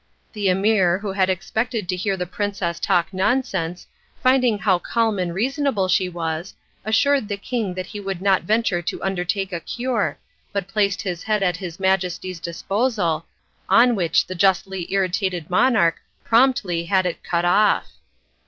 The emir, who had expected to hear the princess talk nonsense, finding how calm and reasonable she was, assured the king that he could not venture to undertake a cure, but placed his head at his Majesty's disposal, on which the justly irritated monarch promptly had it cut off.